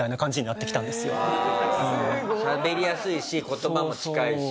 しゃべりやすいし言葉も近いし。